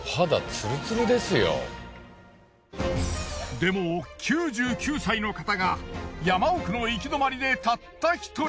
でも９９歳の方が山奥の行き止まりでたった一人。